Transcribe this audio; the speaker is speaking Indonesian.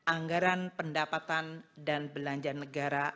anggaran pendapatan dan belanja negara